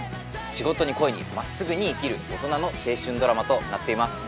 仕事に恋に真っすぐに生きる大人の青春ドラマとなっています